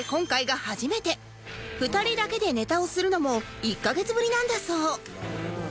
２人だけでネタをするのも１カ月ぶりなんだそう